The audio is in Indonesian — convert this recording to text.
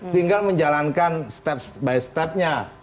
tinggal menjalankan step by step nya